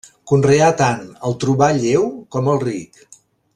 Conreà tant el trobar lleu com el ric.